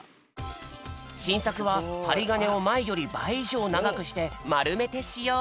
しんさくははりがねをまえよりばいいじょうながくしてまるめてしよう。